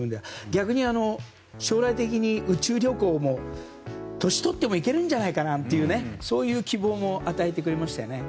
逆に、将来的に宇宙旅行も年をとっても行けるんじゃないかななんていうそういう希望も与えてくれましたよね。